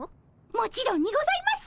もちろんにございます！